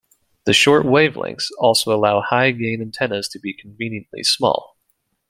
The short wavelengths also allow high gain antennas to be conveniently small.